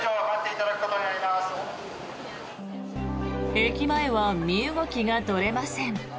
駅前は身動きが取れません。